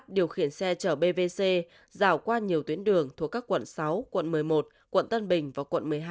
điều khiển xe chở bvc rào qua nhiều tuyến đường thuộc các quận sáu quận một mươi một quận tân bình và quận một mươi hai